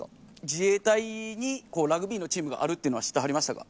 自衛隊にラグビーのチームがあるっていうのは知ってはりましたか？